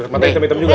mata hitam hitam juga